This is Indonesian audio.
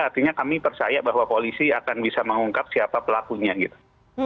artinya kami percaya bahwa polisi akan bisa mengungkap siapa pelakunya gitu